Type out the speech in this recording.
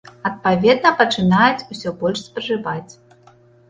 Адпаведна пачынаюць усё больш спажываць.